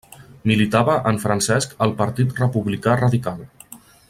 Militava en Francesc al Partit Republicà Radical.